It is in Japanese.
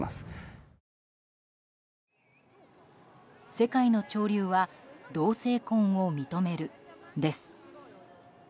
世界の潮流は同性婚を認める、です。